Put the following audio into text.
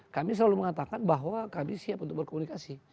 kami selalu mengatakan bahwa kami siap untuk berkomunikasi